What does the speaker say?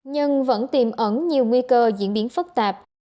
nhưng vẫn tiềm ẩn nhiều nguy cơ diễn biến phức tạp